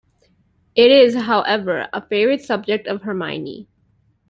It is, however, a favourite subject of Hermione.